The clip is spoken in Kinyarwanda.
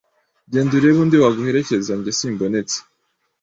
Genda urebe undi waguherekeza jye simbonetse.